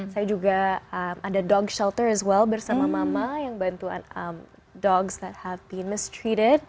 saya juga ada dog shelter juga bersama mama yang bantuan anggota yang telah dilakukan penyakit